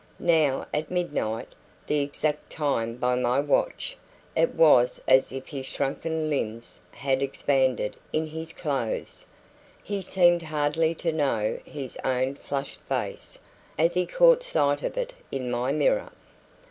Now, at midnight the exact time by my watch it was as if his shrunken limbs had expanded in his clothes; he seemed hardly to know his own flushed face, as he caught sight of it in my mirror.